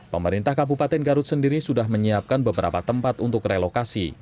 pemerintah kabupaten garut sendiri sudah menyiapkan beberapa tempat untuk relokasi